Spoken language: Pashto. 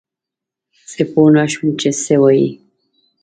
زه پوه نه شوم چې څه وايي؟